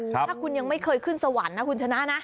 ถ้าคุณยังไม่เคยขึ้นสวรรค์นะคุณชนะนะ